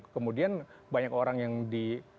kemudian banyak orang yang di